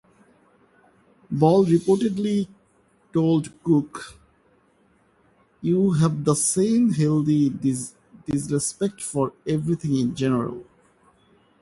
Ball reportedly told Cook, "you have the same healthy disrespect for everything in general".